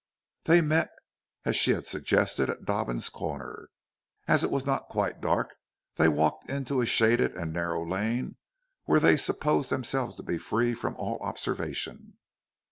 They met, as she had suggested, at Dobbins' corner. As it was not quite dark, they walked into a shaded and narrow lane where they supposed themselves to be free from all observation.